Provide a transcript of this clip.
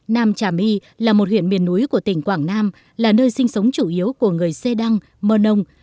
nam trà my là một huyện miền núi của tỉnh quảng nam là nơi sinh sống chủ yếu của người xê đăng mơ nông